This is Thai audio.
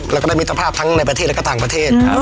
แล้วก็ได้มิตรภาพทั้งในประเทศและก็ต่างประเทศ